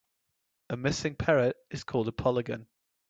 A missing parrot is called a polygon.